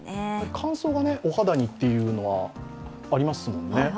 乾燥がお肌にというのがありますもんね。